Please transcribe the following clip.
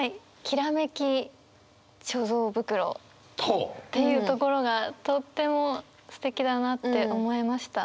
「きらめき貯蔵袋」っていうところがとてもすてきだなって思いました。